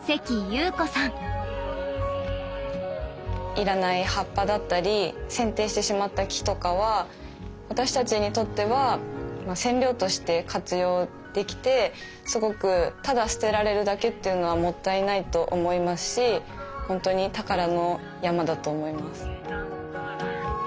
要らない葉っぱだったり剪定してしまった木とかは私たちにとっては染料として活用できてすごくただ捨てられるだけっていうのはもったいないと思いますし本当に宝の山だと思います。